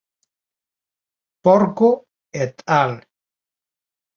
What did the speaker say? Porco "et al.